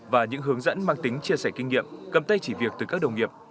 và những hướng dẫn mang tính chia sẻ kinh nghiệm cầm tay chỉ việc từ các đồng nghiệp